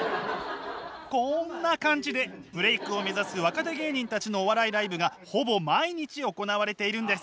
こんな感じでブレイクを目指す若手芸人たちのお笑いライブがほぼ毎日行われているんです。